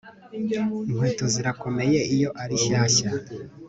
Inkweto zirakomeye iyo ari shyashya